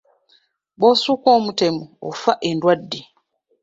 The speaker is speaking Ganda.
Bw’osukka omutemu ofa endwadde!